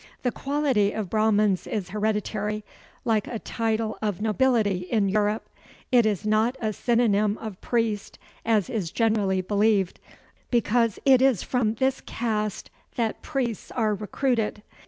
The quality of Brahmans is hereditary, like a title of nobility in Europe. It is not a synonym of priest, as is generally believed, because it is from this caste that priests are recruited.